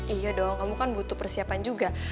iya dong kamu kan butuh persiapan juga